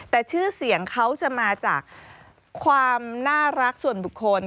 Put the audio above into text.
แต่ชื่อเสียงเขาจะมาจากความน่ารักส่วนบุคคล